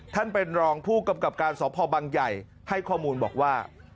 ท่านเป็นรองผู้กำกับการสพบังใหญ่ให้ข้อมูลบอกว่า